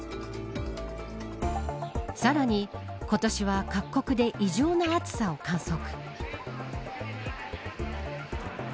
さらに今年は、各国で異常な暑さを観測。